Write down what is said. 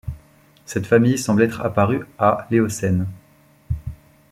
Cette famille semble être apparue à l'Éocène.